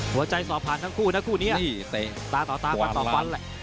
หัวใจสอบผ่านทั้งคู่นะคู่เนี้ยนี่เตะต่อต่อต่อต่อต่อฟันแหละ